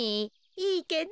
いいけど。